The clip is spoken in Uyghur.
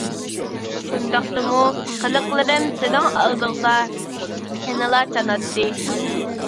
شۇنداقتىمۇ، قىلىقلىرىم سېنىڭ ئالدىڭدا يەنىلا چاناتتى.